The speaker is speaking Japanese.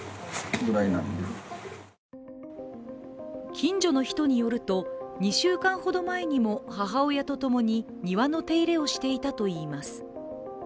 近所の人によると２週間ほど前にも母親と共に庭の手入れをしていたといいます。